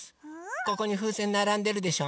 ここにふうせんならんでるでしょ？